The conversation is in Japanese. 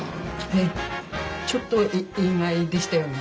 えっちょっと意外でしたよね。